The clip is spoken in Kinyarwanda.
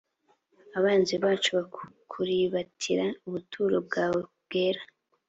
abanzi bacu bakuribatiye ubuturo bwawe bwera